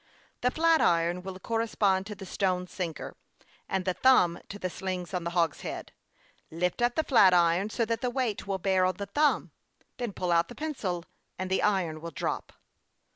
The flatiron will correspond to the stone sinker, and the thumb to the slings on the hogshead. Lift up the flatiron, so that the weight will bear on the thumb ; then pull out the pencil, and the iron will drop.